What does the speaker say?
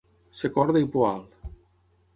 Ser corda i poal.